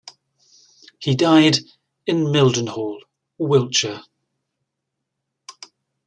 He died in Mildenhall, Wiltshire.